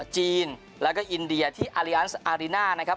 จีนแล้วก็อินเดียที่อารีอันซอาริน่านะครับ